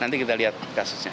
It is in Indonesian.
nanti kita lihat kasusnya